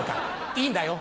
いいんだよ？